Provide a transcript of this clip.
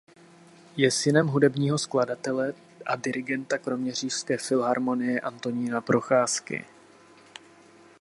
Je synem hudebního skladatele a dirigenta kroměřížské filharmonie Antonína Procházky.